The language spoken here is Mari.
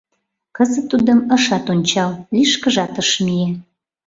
Кызыт тудым ышат ончал, лишкыжат ыш мие.